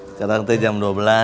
sekarang itu jam dua belas